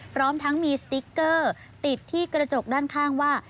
พร้อมทั้งมีสติ๊กเกอร์ติดที่กระจกด้านข้างว่า